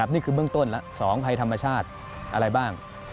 นี่คือเบื้องต้นแล้ว๒ภัยธรรมชาติอะไรบ้าง